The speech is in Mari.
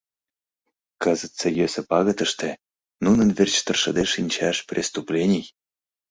Кызытсе йӧсӧ пагытыште нунын верч тыршыде шинчаш преступлений!